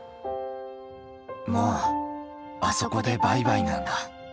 もうあそこでバイバイなんだ。